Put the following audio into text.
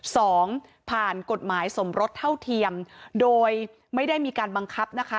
สองผ่านกฎหมายสมรสเท่าเทียมโดยไม่ได้มีการบังคับนะคะ